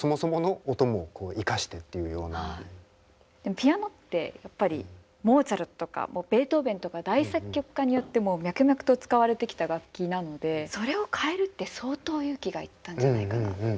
ピアノってやっぱりモーツァルトとかベートーベンとか大作曲家によってもう脈々と使われてきた楽器なのでそれを変えるって相当勇気がいったんじゃないかな。